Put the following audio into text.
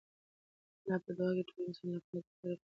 انا په دعا کې د ټولو انسانانو لپاره د خیر او بښنې غوښتنه وکړه.